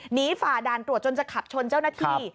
ฝ่าด่านตรวจจนจะขับชนเจ้าหน้าที่